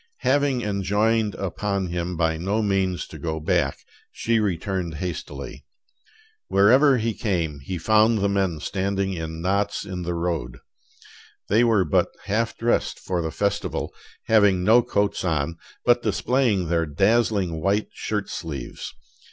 Having enjoined upon him by no means to go back, she returned hastily. Wherever he came he found the men standing in knots in the road. They were but half dressed for the festival, having no coats on, but displaying their dazzling white shirt sleeves.